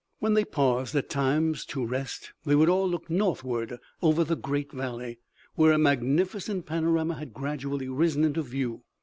When they paused at times to rest they would all look northward over the great valley, where a magnificent panorama had gradually risen into view.